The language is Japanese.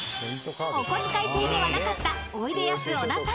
［お小遣い制ではなかったおいでやす小田さん］